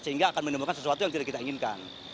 sehingga akan menemukan sesuatu yang tidak kita inginkan